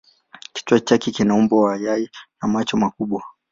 Kichwa chake kina umbo wa yai na macho makubwa.